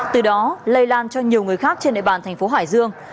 từ đó lây lan cho nhiều người khác trên nệ bàn tp hải dương